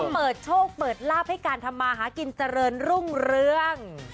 เปิดโชคเปิดลาบให้การทำมาหากินเจริญรุ่งเรือง